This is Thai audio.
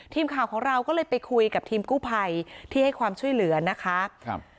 ทีมข่าวของเราก็เลยไปคุยกับทีมกู้ภัยที่ให้ความช่วยเหลือนะคะครับ